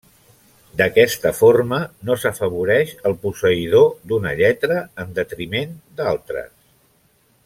D'aquesta forma no s'afavoreix el posseïdor d'una lletra en detriment d'altres.